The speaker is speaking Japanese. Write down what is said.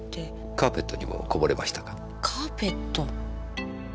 カーペット。